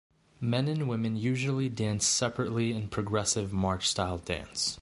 Men and women usually dance separately in a progressive march style dance.